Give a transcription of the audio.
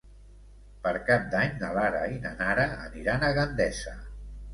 Per Cap d'Any na Lara i na Nara aniran a Gandesa.